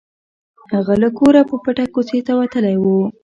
هغه له کوره په پټه کوڅې ته وتلی و